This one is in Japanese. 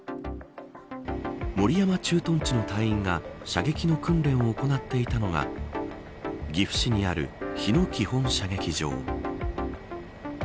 守山駐屯地の隊員が射撃の訓練を行っていたのが岐阜市にある日野基本射撃場。